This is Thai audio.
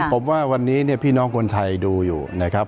ผมว่าวันนี้เนี่ยพี่น้องคนไทยดูอยู่นะครับ